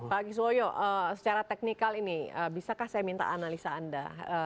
pak kiswoyo secara teknikal ini bisakah saya minta analisa anda